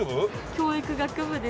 教育学部です。